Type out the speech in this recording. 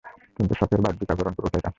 কিন্তু শপের বাহ্যিক আবরণ পুরোটাই কাঁচের!